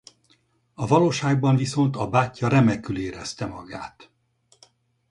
A valóságban viszont a bátyja remekül érezte magát.